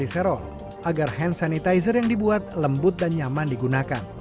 kita membutuhkan gliserol agar hand sanitizer yang dibuat lembut dan nyaman digunakan